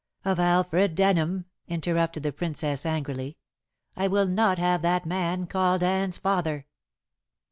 "Of Alfred Denham," interrupted the Princess angrily; "I will not have that man called Anne's father."